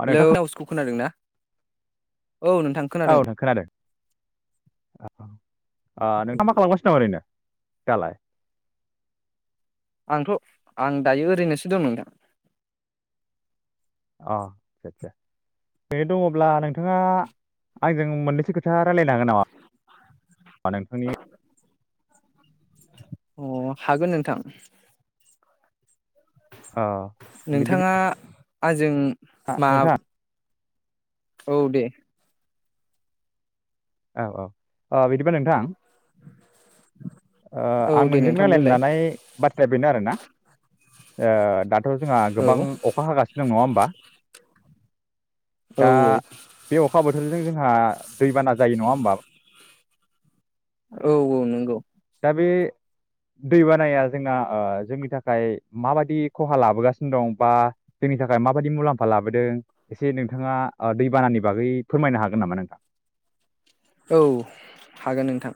अ नोंथां हेल' खोनादों ना? औ नोंथां औ नों खोनादों ओ नोंथाङा मा खालामगासिनो दं ओरैनो? दालाय आंथ' आं दायो ओरैनोसो दं नोंथां। अ आदसा आदसा बेनो दङब्ला नोंथाङा आंजों मोननैसो खोथा रायज्लायनो हागोन नामा? मा नोंथांनि अ हागोन नोंथां अ नोंथाङा बिदिब्ला आंजों मा नोंथां औ दे औ औ औ बिदिबा नोंथां औ आं दे नोंजों नोंथां रायलायनो बुंलाय लानाय बाथ्राया बेनो आरोना। ओ दा थ' जोंहा औ गोबां अखा हागासिनो दंङ‌ नङा होनोमबा? दा औ बे अखाबो बो बोथोरजों जोंहा दैबाना जायो नङा होमबा? औ औ नंगौ दा बे दैबानाया जोंना ओ जोंनि थाखाय माबायदि खहा लाबोगासिनो दं बा जोंनि थाखाय माबायदि मुलाम्फा लाबोदों एसे नोंथाङा ओ दैबानानि बागै फोरमायनो हागोन नामा नोंथां? औ हागोन नोंथां।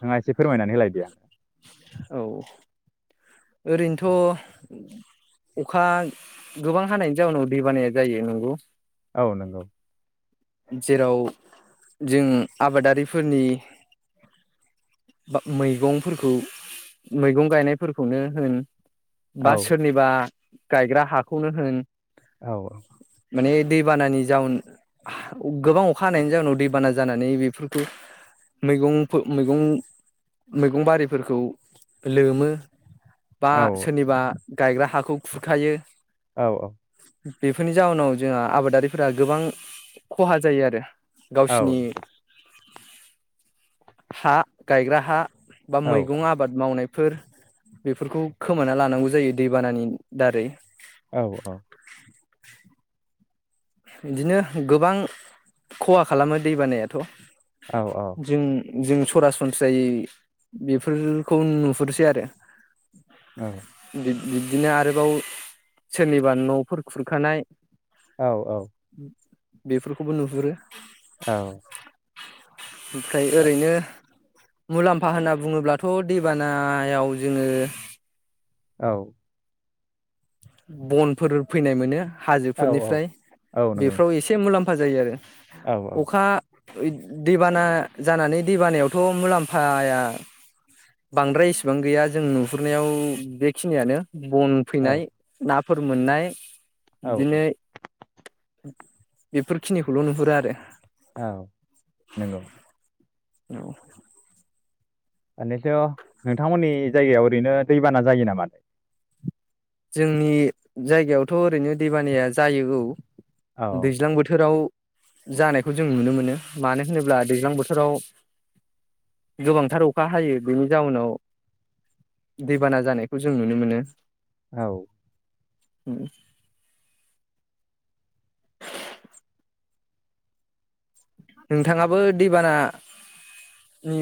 नोंङा एसे फोरमायनानै होलायदो। औ ओरैनोथ' अखा गोबां हानायनि जाउनाव दै बानाया जायो नंगौ औ नंगौ जेराव जों आबादारिफोरनि बा मैगंफोरखौ मैगं गायनायफोरखौनो होन औ बा सोरनिबा गायग्रा हाखौनो होन औ औ माने दैबानानि जाउन गोबां अखा हानायनि जाउनाव दैबाना जानानै बेफोरखौ मैगं मैगं मैगं बारिफोरखौ लोमो। बा औ सोरनिबा गायग्रा हाखौ खुरखायो। औ औ बेफोरनि जाउनाव जोंहा आबादारिफोरा गोबां खहा जायो आरो औ गावसिनि हा गायग्रा हा बा औ मैगं आबाद मावनाय बेफोर बेफोरखौ खोमाना लानांगौ जायो दैबानानि दारै औ औ बिदिनो गोबां खहा खालामो दै बानायाथ' औ जों जों सरासनस्रायै बेफोरखौ नुहुरसै आरो औ बिदिनो आरोबाव सोरनिबा न'फोर खुरखानाय औ औ बेफोरखौबो नुहुरो औ ओमफ्राय ओरैनो मुलाम्फा होनना बुङोब्लाथ' दैबानायाव जोङो औ बनफोर फैनाय मो हाजोफोरनिफ्राय नंगौ बेफ्राव एसे मुलाम्फा [unintelligible] जायो आरो नोंथां अखा ओ दैबाना जानानै दैबानायावथ' मुलाम्फाया बांद्राया इसेबां गैया जों नुहुरनायाव बेखिनियानो बन औ फैनाय नाफोर मोननाय औ औ बिदिनो बेफोरखिनिखौल' नुहुरो आरो औ नंगौ औ मानिथ' नोंथांमोननि जायगायाव ओरैनो दैबाना जायो नामा दा जोंनि जायगायावथ' ओरैनो दैबानाया जायो औ औ दैज्लां बोथोराव जानायखौ जों नुनो मोनो मानो होनोब्ला दैज्लां बोथोराव गोबांथार अखा हायो बेनि जाउनाव दैबाना जानायखौ जों नुनो मोनो औ [inaudible] [inaudible] नोंथाङाबो दैबानानि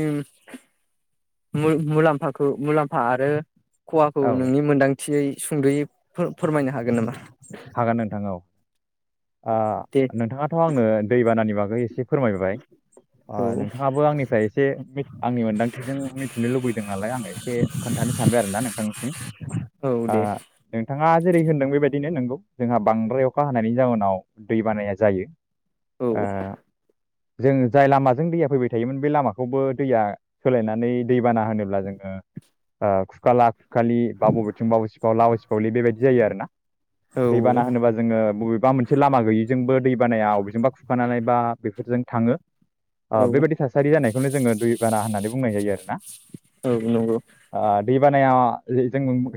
मुलाम्फाखौ मुलाम्फा आरो खहाखौ औ नोंनि मोनदांथियै सुंद'यै फोर-फोरमायनो हागोन नामा हागोन नोंथां औ दे नोंथाङाथ' आंनो दैबानानि बागै बेखौ एसे फोरमायबाय ओ औ नोंथाङाबो आंनिफ्राय एसे आंनि मोनदांथिजों मिथिनो लुबैदों नालाय आं एसे खोन्थानो सानबाय आरोना नोंथांनिसिम औ दे ओ नोंथाङा जेरै होन्दों बेबायदिनो नोंगौ जोंहा बांद्राय अखा हानायनि जाउनाव दै बानाया जायो औ ओ जोंङो जाय लामाजों दैया फैबाय थायोमोन बे लामाखौबो दैया सोलायनानै दैबाना होनोब्ला जोङो ओ खुखाला खुखालि बा बबेथिं बा बे सिफावला बा सिफावलि बेबायदि जायो आरोना दैबाना औ होनोबा जोङो बबेबा मोनसे लामा गैयिजोंबो दैबानाया बबेजोंबा खुरखानानै बा बेफोरजों थाङो औ ओ बेबायदि थासारि जानायखौनो जोङो दै बाना होननानै बुं बुंनाय जायो आरो ना औ नंगौ आ दैबानाया जों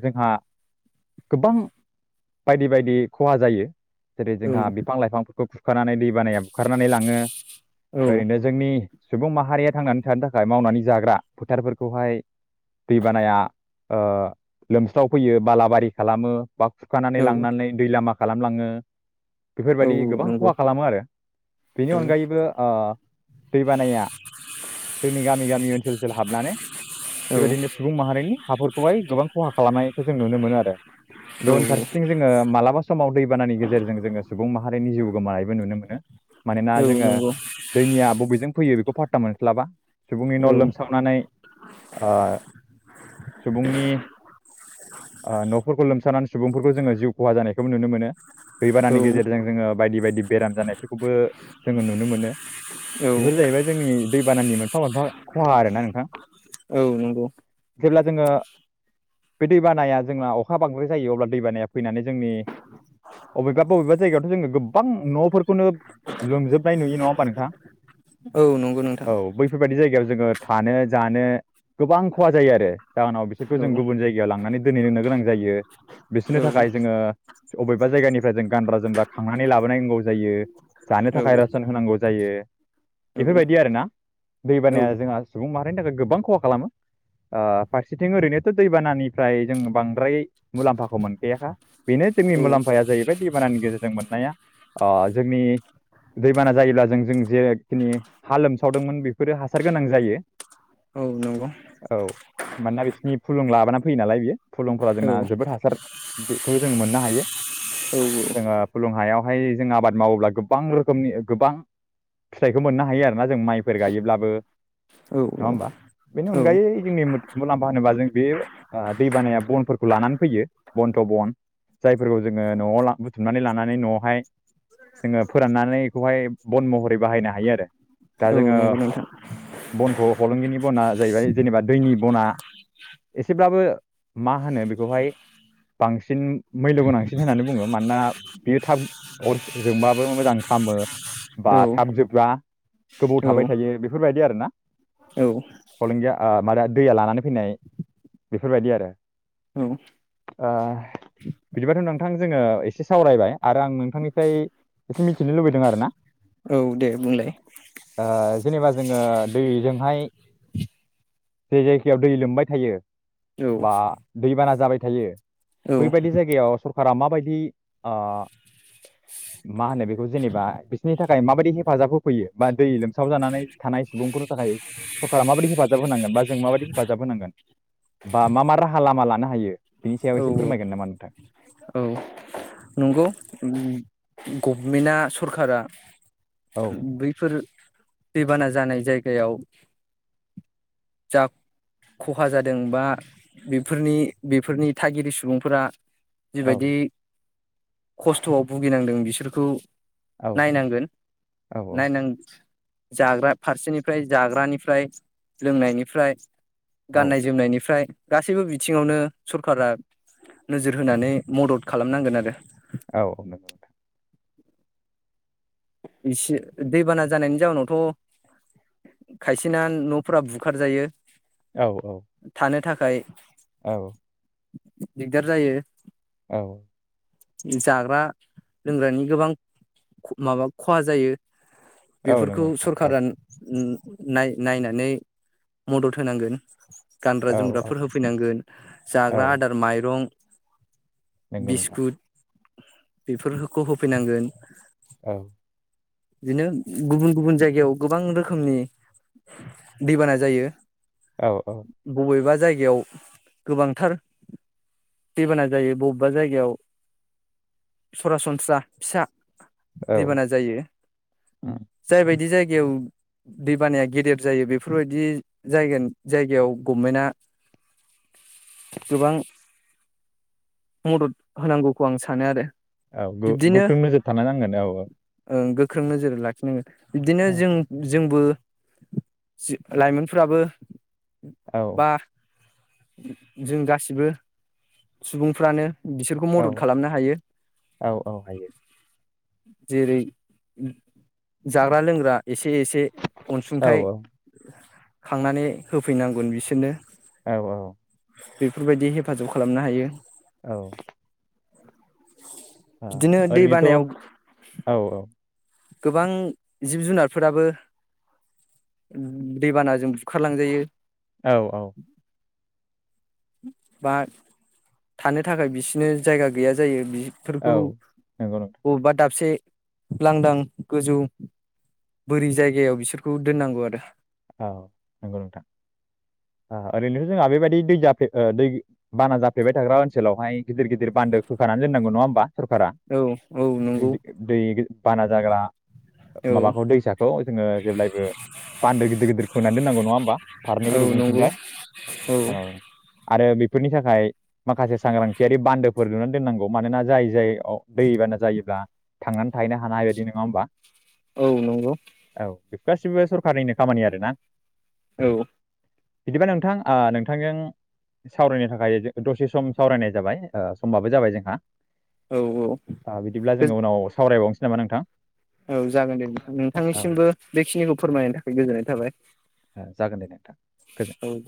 जोंहा गोबां बायदि बायदि खहा जायो जेरै औ जोंहा बिफां लाइफांफोरखौ बुखारनानै दै बानाया बुखारनानै लाङो औ ओरैनो जोंनि सुबुं माहारिया थांनानै थानो थाखाय मावनानै जाग्रा फोथारफोरखौहाय दैबानाया ओ लोमस्राव फैयो बालाबारि खालामो बा थुखानानै औ लांनानै दै लामाखौ खालामलाङो औ बेफोरबायदि गोबां नंगौ खहा खालामो आरो बेनि औ अनगायैबो ओ दैबानाया जोंनि गामि गामि ओनसोलाव सोर सोल हाबनानै औ बेबायदिनो सुबुं माहारिनि हाफोरखौहाय गोबां खहा खालामनायखौ जों नुनो मोनो आरो औ गुबुन फारसे ओ मालाबा समाव दैबानानि गेजेरजों जोङो सुबुं माहारिनि जिउ गोमानायबो नुनो मोनो मानोना औ जोङो नंगौ दैनिया बबेजों फैयो बेखौ फटा मोनस्ला बा सुबुंनि न' औ लोमसावनानै ओ सुबुंनि न'फोरखौ लोमसावनानै सुबुंफोर जोङो जिउ खहा जानायखौबो नुनो मोनो दैबानानि औ गेजेरजों जोङो बायदि बायदि बेराम जानायफोरखौबो जोङो नुनो मोनो औ बेफोर जाहैबाय जोंनि दैबानानि मोनफा मोनफा खहा आरोना नोंथां औ नंगौ जेब्ला जोङो बे दैबानाया जोंना अखा बांद्राय जायो अब्ला दैबानाया फैनानै जोंनि बबेबा बबेबा जायगायावथ' जोङो गोबां न'फोरखौनो लोंजोबनाय नुयो नङा होमबा नोंथां औ नंगौ नोंथां औ बैफोरबायदि जायगायाव जोङो थानो जानो गोबां खहा जायो आरो जाहोनाव औ बिसोरखौ जों गुबुन जायगायाव लांनानै दोनहै लोंनो गोनां जायो बिसोरनि थाखाय जोङो बबेबा जायगानिफ्राय जों गानग्रा जोमग्रा खांनानै लाबोनायांगौ जायो जानो औ थाखाय रसन होनांगौ जायो जायो बेफोरबायदि आरोना दैबानाया जोंहा सुबुं माहारिनि थाखाय गोबां खहा खालामो फारसेथिं ओरैनोथ' दैबानानिफ्राय जों बांद्राय मुलाम्फा खौ मोनखैयाखा बेनो जोंनि औ मुलाम्फाया जाहैबाय दैबानानि गेजेरजों मोननाया जोंनि दैबाना जायोब्ला जों जों जेखिनि हा लोमसावदोंमोन बेफोरो हासार गोनां जायो औ नंगौ औ औ मानोना बिसिनि फुलुं लाबाना फैयो नालाय बियो फुलुंफोरा जोंना जोबोद हासार बेखौ जों मोननो हायो औ जोङो फुलुं हायावहाय जों आबाद मावोब्ला गोबां रोखोमनि गोबां फिथाइखौ मोननो हायो आरोना जों माइफोर गायोब्लाबो औ नङा होमबा बेनि अनगायै जोंनि मुलाम्फा होनोबा जों बे दै बानाया बनफोरखौ लानानै फैयो बन्थ' बन जायफोरखौ जोङो न'आव बुथुमनानै लानानै न'आवहाय जोङो फोराननानै बेखौहाय बन महरै बाहायनो हायो आरो दा औ जोङो नंगौ नोंथां बनखौ हलंगिनि बना जाहैबाय जेनेबा दैनि बना एसेब्लाबो मा होनो बेखौहाय बांसिन मैल्य गोनांसिन होननानै बुङो मानोना बेयो थाब अर जोंबाबो मोजां खालामामो बा औ थाब जोबबा गोबौ औ थाबाय थायो बेफोरबायदि आरोना औ प्रब्लेम गैया माबा दैया लानानै फैनाय बेफोरबायदि आरो औ ओ बिदिबाथ' नोंथां जोङो एसे सावरायबाय आरो आं नोंथांनिफ्राय एसे मिथिनो लुबैदों आरोना औ दे बुंलाय जेनेबा जोङो दैजोंहाय जे जायगायाव दै लोमबाय थायो औ बा दैबाना जाबाय थायो औ बैबायदि जायगायाव सरकारा माबायदि मा होनो बेखौ जेनेबा बिसोरनि थाखाय माबायदि हेफाजाब होफैयो बा दै लोमसाव जानानै थानाय सुबुंफोरनि थाखाय सरकारा माबायदि हेफाजाब होनांगोन बा जों माबायदि हेफाजाब होनांगोन बा मा मा राहा लामा लानो हायो बेनि सायाव एसे फोरमायगोन नामा नोंथां औ बेना सरखारा औ बैफोर दैबाना जानाय जायगायाव जा खहा जादों बा बेफोरनि बेफोरनि थागिरिबि सुबुंफोरा औ जिबायदि खस्थ'आव भुगिनांदों बिसोर खौ औ नायनांगोन औ नायनां जाग्रा फारसेनिफ्राय जाग्रानिफ्राय लोंनायनिफ्राय औ गाननाय जोमनायनिफ्राय गासैबो बिथिङावनो सरखारा नोजोर होनानै मदद खालामनांगोन आरो औ नंगौ नोंथां इसे दैबाना जानायनि जाउनावथ' खायसेना न'फोरा बुखारजायो औ औ नि थाखाय औ दिगदार जायो औ जाग्रा लोंग्रानि गोबां माबा खहा जायो औ बेफोरखौ नंगौ नोंथां औ सरखारा नाय नायनानै मदद होनांगोन गानग्रा औ औ जोमग्राफोर होफैनांगोन औ जाग्रा आदार माइरं नंगौ नोंथां बिस्कुट बेफोरखौ होफैनांगोन औ बिदिनो गुबुन गुबुन जायगायाव गोबां रोखोमनि दैबाना जायो औ औ बबेबा जायगायाव गोबांथार दैबाना जायो बबेबा जायगायाव सरासनस्रा फिसा औ दैबाना जायो उम जायबायदि जायगा गायाव दै बानाया गेदेर जायो बेफोरबायदि जायगा जायगायाव गभमेन्ट गोबां मदद होनांगौ खौ आं सानो आरो औ बिब्दिनो गोख्रों नोजोर था नांगोन औ औ ओ गोख्रों नोजोर लाखिनांगो बिदिनो औ जों जोंबो जि लाइमोनफोराबो औ जों गासिबो सुबुंफ्रानो बिसोरखौ औ मदद हायो औ औ हायो जेरै जाग्रा लोंग्रा एसे एसे औ अनसुंथाइ खांनानै होफैनांगोन बिसोरनो औ औ बेफोरबायदि हेफाजाब खालामनो हायो औ बिदिनो दै ओरैनोथ' बानायाव औ औ गोबां जिब जुनारफोराबो दैबानाजों बुखारलांजायो औ औ बा थानो थाखाय बिसिनो जायगा गैया जायो औ फोरखौ नंगौ नोंथां बबेबा दाबसे लांदां गोजौ बोरि जायगायाव बिसोरखौ दोननांगौ आरो औ नंगौ नोंथां ओरैनोथ' जोंहा बेबायदि ओ दै जाफ दै बाना जाफ्लेबाय थाग्रा ओनसोलावहाय गिदिर गिदिर बान्दो खौ होखानानानै दोन्नांगौ नङा होमबा सरखारा औ औ नंगौ दै बारा जाग्रा औ माबाखौ दैसाखौ जोङो जेब्लायबो बान्दो गिदिर बिखना होनांगौ नङा होमबा फारनैबो औ नंगौ रुगुंथिंजाय औ आरो बेफोरनि थाखाय माखासे सांग्रांथियारि बान्दोफोर नुनानै दोननांगौ मानोना जाय जाय औ दैबाना जायोब्ला थांनानै थाहैनो हानाय हाबायदि नङा होमबा औ नंगौ। औ बेफोर गासिबो सरखारनिनो खामानि आरोना औ। बिदिबा नोंथां ओ नोंथांजों सावरायनो थाखाय दसे सम सावरायनाय जाबाय समबाबो जाबाय जोंहा औ ओ बिदिब्ला जोङो उनाव सावरायबावनो जेनेबा नोंथां। औ जागोन दे नोंथां औ दे नोंथांनिसिमबो बेखिनिखौ फोरमायनो थाखाय गोजोननाय‌ थाबाय। जागोन दे नोंथां गोजोन औ दे